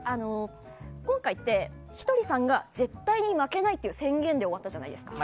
今回って、ひとりさんが絶対に負けないっていう宣言で終わったじゃないですか。